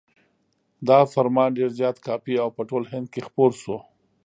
دا فرمان ډېر زیات کاپي او په ټول هند کې خپور شو.